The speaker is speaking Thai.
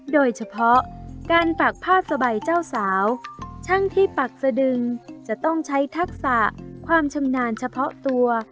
โดยเฉพาะการปักผ้าสบายเจ้าสาวช่างที่ปักสะดึงจะต้องใช้ทักษะความชำนาญเฉพาะตัว